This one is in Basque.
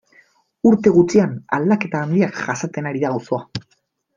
Urte gutxian aldaketa handiak jasaten ari da auzoa.